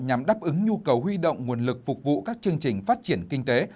nhằm đáp ứng nhu cầu huy động nguồn lực phục vụ các chương trình phát triển kinh tế